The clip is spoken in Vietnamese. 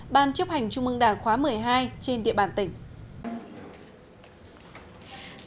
ban chấp hành trung mương đảng khóa một mươi hai trên địa bàn tỉnh